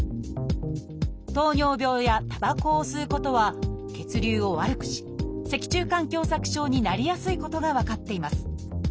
「糖尿病」や「たばこを吸うこと」は血流を悪くし脊柱管狭窄症になりやすいことが分かっています。